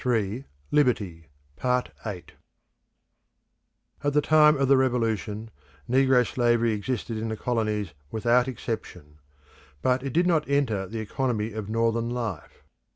Abolition in America At the time of the Revolution, negro slavery existed in the colonies without exception. But it did not enter the economy of Northern life.